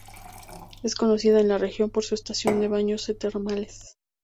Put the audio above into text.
Es conocida en la región por su estación de baños termales.